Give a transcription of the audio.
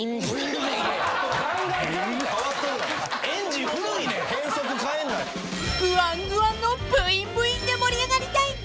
［グァングァンのブインブインで盛り上がりたい今夜は］